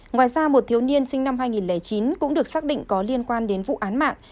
ngoài ra một thiếu niên sinh năm hai nghìn chín cũng được xác định có liên quan đến vụ án mạng